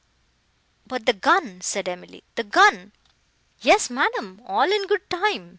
"But the gun," said Emily—"the gun!" "Yes, madam, all in good time.